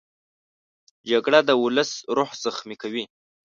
جګړه د ولس روح زخمي کوي